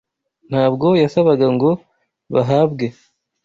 ntabwo yasabaga ngo bahabwe